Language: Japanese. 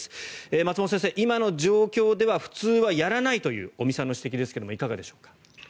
松本先生、今の状況では普通はやらないという尾身さんの指摘ですがいかがでしょうか？